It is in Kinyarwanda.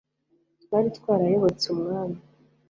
twari twarayobotse umwami